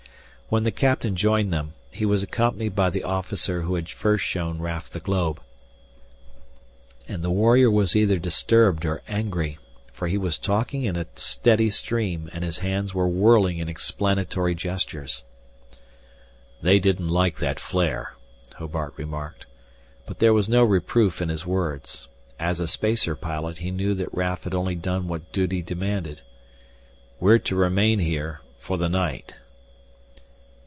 When the captain joined them, he was accompanied by the officer who had first shown Raf the globe. And the warrior was either disturbed or angry, for he was talking in a steady stream and his hands were whirling in explanatory gestures. "They didn't like that flare," Hobart remarked. But there was no reproof in his words. As a spacer pilot he knew that Raf had only done what duty demanded. "We're to remain here for the night."